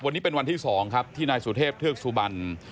วันนี้เป็นวันที่๒ครับที่นายสุเทพเทือกสุบัน